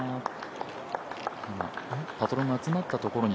パトロンが集まったところに。